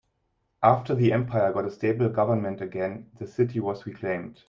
After the empire got a stable government again, the city was reclaimed.